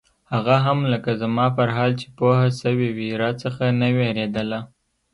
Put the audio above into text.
هغه هم لکه زما پر حال چې پوهه سوې وي راڅخه نه وېرېدله.